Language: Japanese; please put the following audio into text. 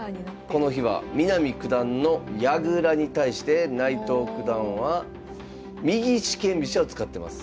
この日は南九段の矢倉に対して内藤九段は右四間飛車を使ってます。